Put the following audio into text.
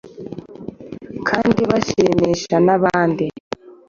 kandi bashimisha n’abandi.